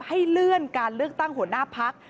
ให้เลื่อนการเลือกตั้งหัวหน้าพัก